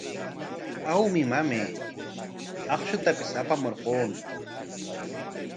Awmi, mamay, akshutapis apamurquumi.